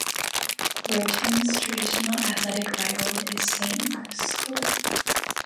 Groton's traditional athletic rival is Saint Mark's School.